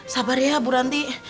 sabar ya bu ranti